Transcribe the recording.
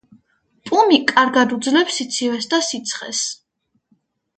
პუმი კარგად უძლებს სიცივეს და სიცხეს.